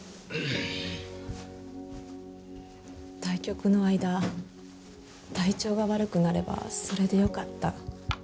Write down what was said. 対局の間体調が悪くなればそれでよかった。